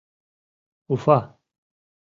Уфа!